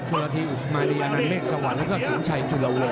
ชัวร์ทีอุธมารีอันนั้นเมฆสวรรค์แล้วก็สังชัยจุลวงศ์